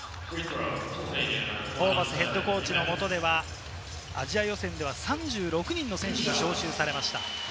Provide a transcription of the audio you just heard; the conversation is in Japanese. ホーバスＨＣの元ではアジア予選で３６人の選手が招集されました。